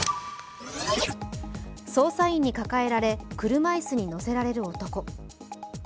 捜査員に抱えられ、車椅子に乗せられる男。